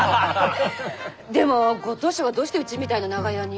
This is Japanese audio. でもご当主がどうしてうちみたいな長屋に？